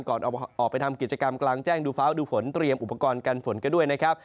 ก่อนออกไปทำกิจกรรมกลางแจ้งดูฟ้าดูฝนเตรียมอุปกรณ์กันฝนก็ด้วยนะครับ